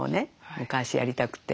昔やりたくて。